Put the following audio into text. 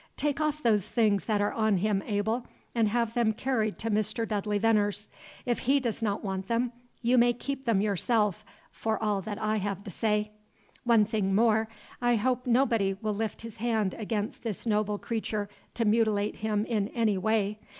Take off those things that are on him, Abel, and have them carried to Mr. Dudley Veneer's. If he does not want them, you may keep them yourself, for all that I have to say. One thing more. I hope nobody will lift his hand against this noble creature to mutilate him in any way.